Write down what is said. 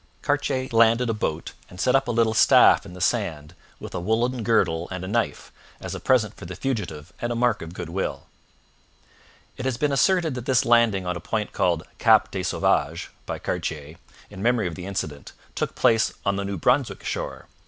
Cartier landed a boat and set up a little staff in the sand with a woollen girdle and a knife, as a present for the fugitive and a mark of good will. It has been asserted that this landing on a point called Cap des Sauvages by Cartier, in memory of the incident, took place on the New Brunswick shore.